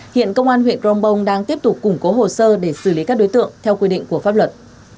hiện công an huyện crong bông đang tiếp tục củng cố hồ sơ để xử lý các đối tượng theo quy định của pháp luật